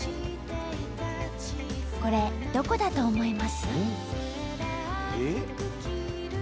これどこだと思います？